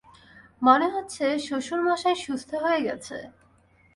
মনে হচ্ছে, শ্বশুর মশাই সুস্থ হয়ে গেছে?